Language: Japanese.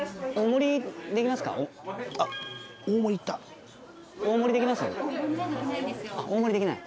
大盛りできない。